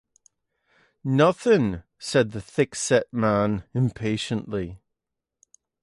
“Nothing,” said the thickset man impatiently.